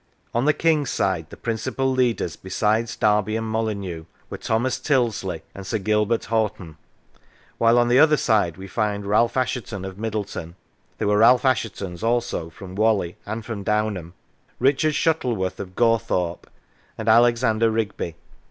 On the King's side the principal leaders besides Derby and Molyneux were Thomas Tyldesley and Sir Gilbert Hoghton; while on the other side we find Ralph Assheton of Middleton (there were Ralph Asshetons also from Whalley and from Downham), Richard Shuttleworth of Gawthorpe, and Alexander Rigby.